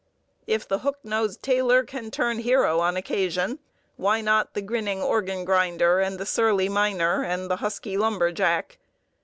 If the hook nosed tailor can turn hero on occasion, why not the grinning organ grinder, and the surly miner, and the husky lumber jack?